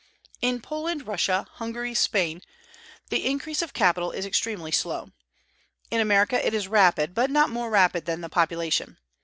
In Poland, Russia, Hungary, Spain, the increase of capital is extremely slow. In America it is rapid, but not more rapid than the population.